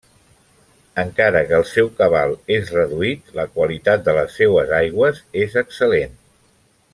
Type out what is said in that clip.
Encara que el seu cabal és reduït, la qualitat de les seues aigües és excel·lent.